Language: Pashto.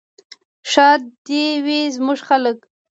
ښاد دې وي زموږ خلک.